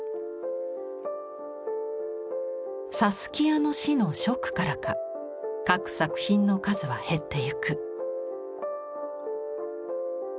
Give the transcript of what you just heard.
サスキアの死のショックからか描く作品の数は減ってゆく。